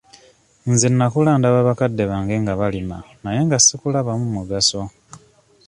Nze nakula ndaba bakadde bange nga balima naye nga sikulabamu mugaso.